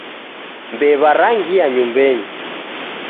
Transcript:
Mbew'a rangia nyumbenyi